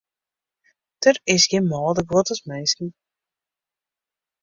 Der is gjin mâlder guod as minsken.